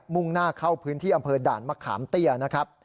่งหน้าเข้าพื้นที่อำเภอด่านมะขามเตี้ยนะครับ